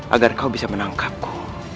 agar kau bisa menangkapku